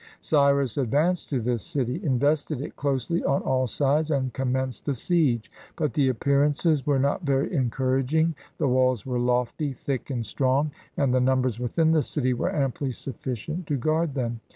Cyrus advanced to the city, invested it closely on all sides, and commenced a siege. But the appearances 322 HOW CYRUS WON THE LAND OF GOLD were not very encouraging. The walls were lofty, thick, and strong, and the numbers within the city were amply sufficient to guard them.